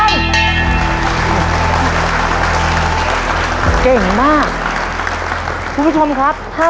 มีทั้งหมด๔จานแล้วนะฮะ